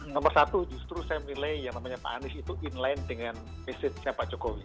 nomor satu justru saya nilai yang namanya pak anies itu inline dengan message nya pak jokowi